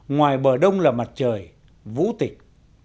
ngoài bờ đông là mặt trời vũ tịch